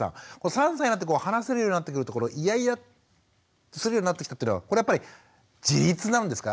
３歳になって話せるようになってくるとこのイヤイヤするようになってきたっていうのはこれはやっぱり自立なんですか？